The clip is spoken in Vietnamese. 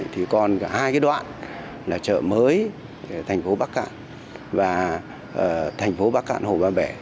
thì còn cả hai cái đoạn là chợ mới thành phố bắc cạn và thành phố bắc cạn hồ ba bể